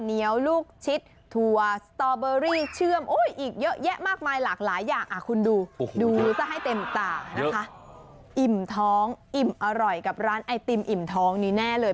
อิ่มท้องอิ่มอร่อยกับร้านไอติมอิ่มท้องนี่แน่เลย